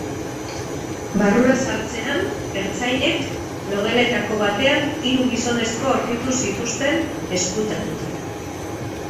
Barrura sartzean, ertzainek logeletako batean hiru gizonezko aurkitu zituzten ezkutatuta.